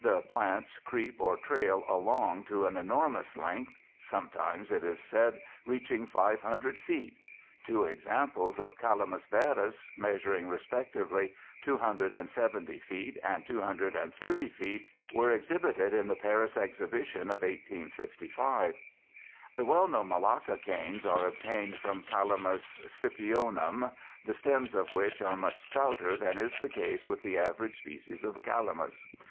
The plants creep or trail along to an enormous length, sometimes, it is said, reaching five hundred feet. Two examples of Calamus verus, measuring respectively two hundred and seventy feet and two hundred and thirty feet, were exhibited in the Paris exhibition of 1855. The well known Malacca canes are obtained from Calamus Scipionum, the stems of which are much stouter than is the case with the average species of Calamus.